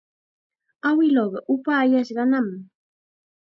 Awiluuqa upayashqanam.